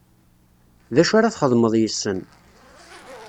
D acu ara txedmeḍ yes-sen.